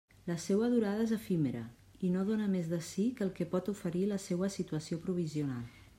La seua durada és efímera i no dóna més de si que el que pot oferir la seua situació provisional.